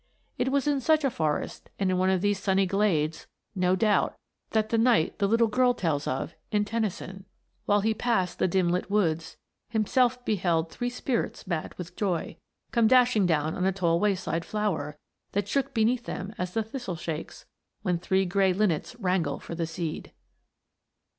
It was in such a forest and in one of these sunny glades, no doubt, that the knight the little girl tells of in Tennyson: "... while he past the dim lit woods Himself beheld three spirits mad with joy Come dashing down on a tall wayside flower That shook beneath them as the thistle shakes When three gray linnets wrangle for the seed."